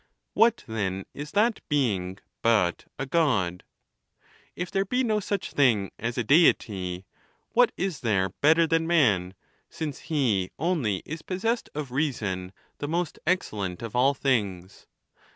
"What, then, is that being but a God? If there be no such thing as a Deity, what is there better than man, since he only is possessed of reason, the most excellent of all things